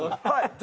はい。